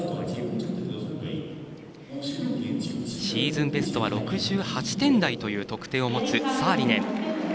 シーズンベストは６８点台という得点を持つサーリネン。